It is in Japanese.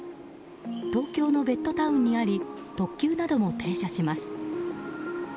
東京のベッドタウンにあり特急なども停車します。